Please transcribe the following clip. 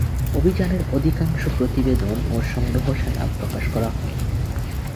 অভিযানের অধিকাংশ প্রতিবেদন ও সংগ্রহশালা প্রকাশ করা হয়নি।